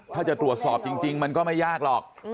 ถ้าจะตรวจสอบจริงมันก็ไม่ยากหรอก